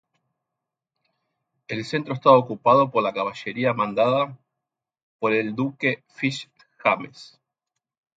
El centro estaba ocupado por la caballería mandada por el duque Fitz-James.